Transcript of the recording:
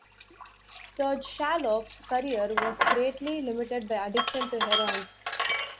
Serge Chaloff's career was greatly limited by addiction to heroin.